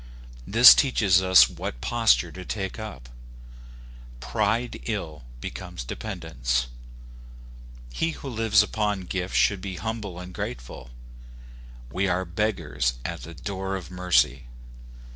This teaches us what posture to take up. Pride ill becomes dependents. He who lives upon gifts should be humble and grateful. We are beggars at the door of mercy.